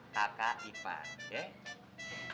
kakak ipar ya